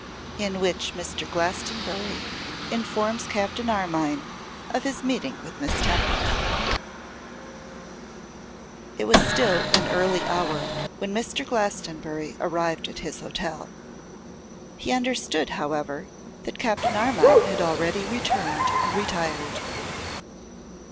In Which Mr. Glastonbury Informs Captain Armine of His Meeting with Miss Temple. IT WAS still an early hour when Mr. Glastonbury arrived at his hotel. He understood, however, that Captain Armine had already returned and retired.